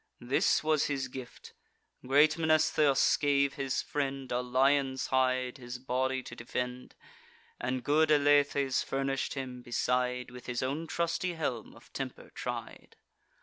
This was his gift. Great Mnestheus gave his friend A lion's hide, his body to defend; And good Alethes furnish'd him, beside, With his own trusty helm, of temper tried.